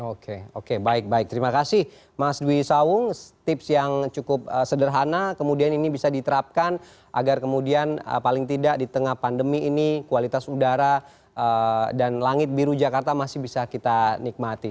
oke oke baik baik terima kasih mas dwi sawung tips yang cukup sederhana kemudian ini bisa diterapkan agar kemudian paling tidak di tengah pandemi ini kualitas udara dan langit biru jakarta masih bisa kita nikmati